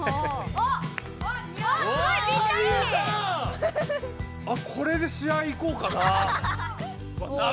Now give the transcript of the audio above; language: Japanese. あっこれで試合行こうかな。